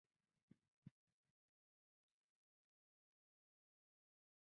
宋日贸易主要的发生时间为日本的平安时代中期至镰仓时代中期。